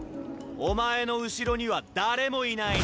お前の後ろには誰もいない。